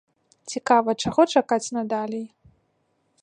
Цікава, чаго чакаць надалей.